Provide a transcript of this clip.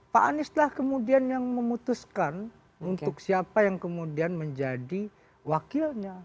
pak anies lah kemudian yang memutuskan untuk siapa yang kemudian menjadi wakilnya